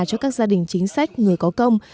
cho các gia đình chính sách người có công